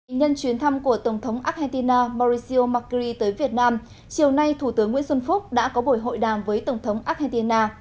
nhân chuyến thăm của tổng thống argentina mauricio macri tới việt nam chiều nay thủ tướng nguyễn xuân phúc đã có buổi hội đàm với tổng thống argentina